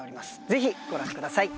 ぜひご覧ください